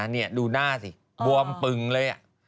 นี่ดูหน้าสิบวมปึ่งเลย